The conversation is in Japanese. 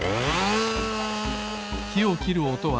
きをきるおとは